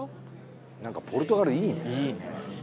何かポルトガルいいねいいね